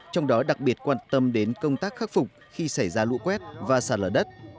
trong đó đặc biệt quan tâm đến công tác khắc phục khi xảy ra lũ quét và sạt lở đất